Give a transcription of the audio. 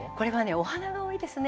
お花が多いですね